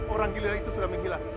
orang giliran itu sudah menghilang